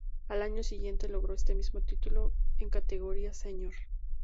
Al año siguiente logró este mismo título en categoría senior.